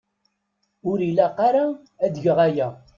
Ur ilaq ara ad geɣ aya.